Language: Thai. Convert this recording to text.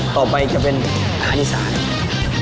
ต่อไปจะเป็นอาณิษฐานะครับ